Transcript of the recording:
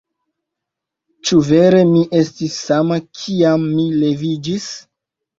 Ĉu vere mi estis sama kiam mi leviĝis?